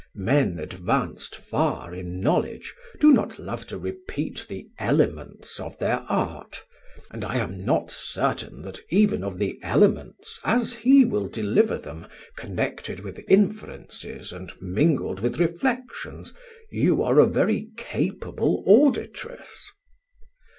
Men advanced far in knowledge do not love to repeat the elements of their art, and I am not certain that even of the elements, as he will deliver them, connected with inferences and mingled with reflections, you are a very capable auditress."